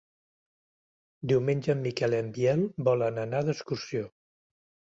Diumenge en Miquel i en Biel volen anar d'excursió.